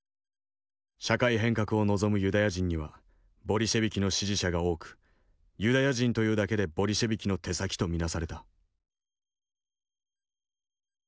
社会変革を望むユダヤ人にはボリシェビキの支持者が多くユダヤ人というだけでボリシェビキの手先と見なされた。